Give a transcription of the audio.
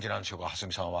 蓮見さんは。